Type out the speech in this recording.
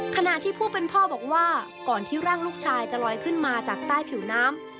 ขณะที่ผู้เป็นพ่อบอกว่าก่อนที่ร่างลูกชายจะลอยขึ้นมาจากใต้ผิวน้ำ